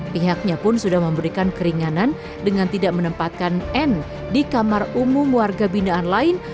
pihaknya pun sudah memberikan keringanan dengan tidak menempatkan n di kamar umum warga binaan lain